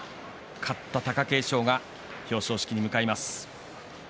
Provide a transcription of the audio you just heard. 勝った貴景勝が表彰式に向かいます。